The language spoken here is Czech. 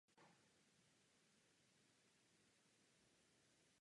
Hlasovala jsem proti této zprávě.